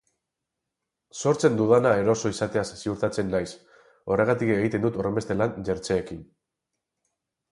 Sortzen dudana eroso izateaz ziurtatzen naiz, horregatik egiten dut horrenbeste lan jertseekin.